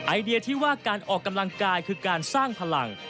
ไอเดียที่ว่าการออกกำลังกายคือการสร้างพลัง